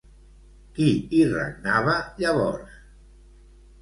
Qui hi regnava llavors?